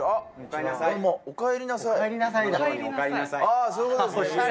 あぁそういうことですか。